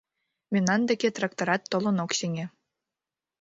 Мемнан деке тракторат толын ок сеҥе.